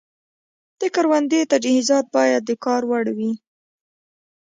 د کروندې تجهیزات باید د کار وړ وي.